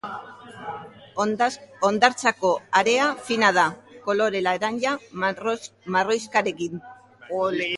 Hondartzako area fina da, kolore laranja-marroixkarekin.